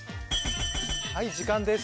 はい時間です